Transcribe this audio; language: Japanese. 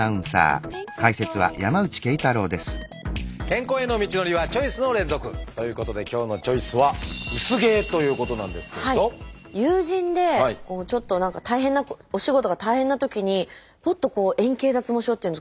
健康への道のりはチョイスの連続！ということで今日の「チョイス」は友人でちょっと大変なお仕事が大変なときにぽっとこう円形脱毛症っていうんですか。